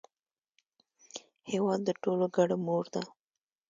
هېواد د ټولو ګډه مور ده.